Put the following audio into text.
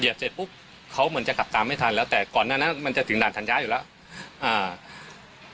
เสร็จปุ๊บเขาเหมือนจะขับตามไม่ทันแล้วแต่ก่อนหน้านั้นมันจะถึงด่านธัญญาอยู่แล้วอ่า